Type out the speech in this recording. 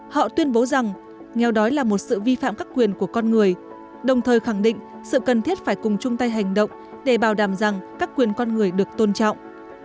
họ tuyên bố rằng nghèo đói là một sự vi phạm các quyền của con người đồng thời khẳng định sự cần thiết phải cùng chung tay hành động để bảo đảm rằng các quyền con người được tôn trọng